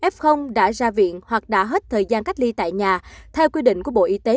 f đã ra viện hoặc đã hết thời gian cách ly tại nhà theo quy định của bộ y tế